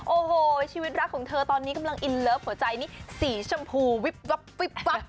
โอ้โหชีวิตรักของเธอตอนนี้กำลังอินเลิฟหัวใจนี่สีชมพูวิบวับวิบวับ